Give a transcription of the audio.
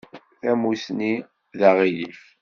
Tamusni d aɣilif.